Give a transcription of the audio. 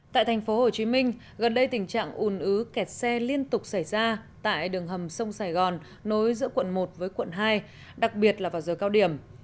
tại thành phố hồ chí minh gần đây tình trạng ùn ứ kẹt xe liên tục xảy ra tại đường hầm sông sài gòn nối giữa quận một với quận hai đặc biệt là vào giờ cao điểm